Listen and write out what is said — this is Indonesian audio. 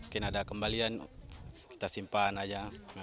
kan ada kembalian kita simpan aja